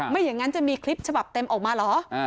ไม่อย่างนั้นจะมีคลิปฉบับเต็มออกมาเหรอ